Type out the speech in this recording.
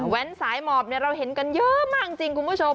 สายหมอบเราเห็นกันเยอะมากจริงคุณผู้ชม